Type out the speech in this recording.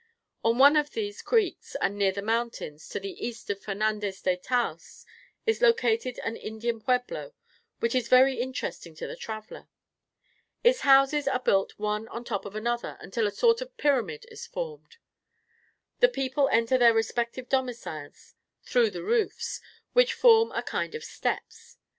On one of these creeks and near the mountains, to the east of Fernandez de Taos, is located an Indian Pueblo which is very interesting to the traveler. Its houses are built one on top of another until a sort of pyramid is formed. The people enter their respective domicils through the roofs, which form a kind of steps.